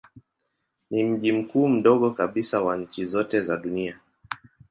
Ni mji mkuu mdogo kabisa wa nchi zote za dunia.